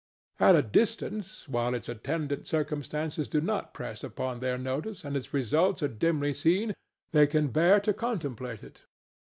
At a distance, while its attendant circumstances do not press upon their notice and its results are dimly seen, they can bear to contemplate it.